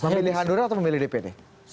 memilih handura atau memilih dpd